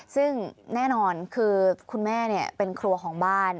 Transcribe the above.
ซึ่งแน่นอนคือคุณแม่เป็นครัวของบ้าน